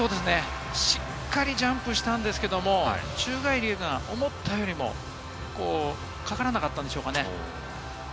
しっかりジャンプしたんですけれども、宙返りが思ったよりもかからなかったんでしょうかね。